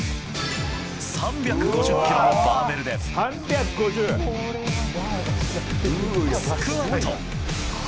３５０キロのバーベルでスクワット。